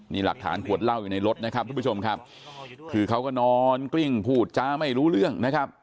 นี่หลักฐานขวดเหล้าอยู่ในรถนะครับทุกผู้ชมครับคือเขาก็นอนกลิ้งพูดจ้าไม่รู้เรื่องนะครับ